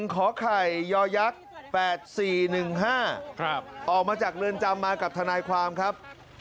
ขอไข่ยอยักษ์๘๔๑๕ออกมาจากเรือนจำมากับทนายความครับ